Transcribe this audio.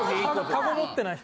カゴ持ってない人。